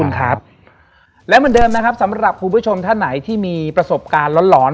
ครับและเหมือนเดิมนะครับสำหรับคุณผู้ชมท่านไหนที่มีประสบการณ์หลอนหลอน